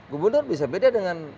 gubernur bisa beda dengan